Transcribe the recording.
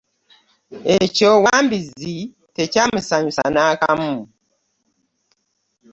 Ekyo Wambizzi tekyamusanyusa n’akamu.